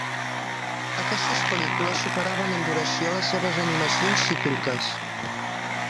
Aquestes pel·lícules superaven en duració les seves animacions cícliques.